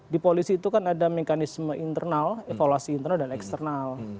di polisi itu kan ada mekanisme internal evaluasi internal dan eksternal